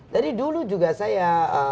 dari dulu juga saya